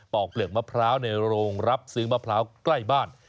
อกเปลือกมะพร้าวในโรงรับซื้อมะพร้าวใกล้บ้าน